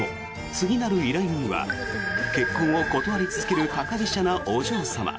次なる依頼人は結婚を断り続ける高飛車なお嬢様。